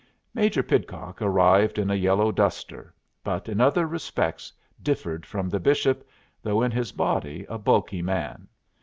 Major Pidcock arrived in a yellow duster, but in other respects differed from the Bishop, though in his body a bulky man.